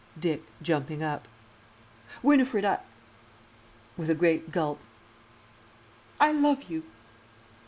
Dick (jumping up). Winifred, I (with a great gulp) I LOVE YOU!!!